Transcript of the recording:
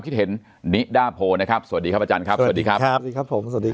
คิดเห็นนิดาโพนะครับสวัสดีครับอาจารย์ครับสวัสดีครับครับสวัสดีครับผมสวัสดี